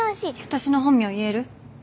私の本名言える？